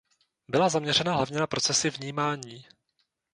Byla zaměřena hlavně na procesy vnímání.